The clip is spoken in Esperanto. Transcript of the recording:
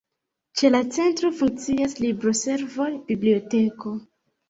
Ĉe la Centro funkcias libroservo, biblioteko.